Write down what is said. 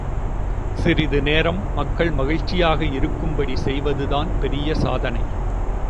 சிறிது நேரம் மக்கள் மகிழ்ச்சியாக இருக்கும்படி செய்வதுதான் பெரிய சாதனை.